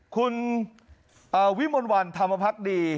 คุณวิมวรวรรณธรรมพักษ์ดี